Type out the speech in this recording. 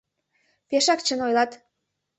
Пешак чын ойлат...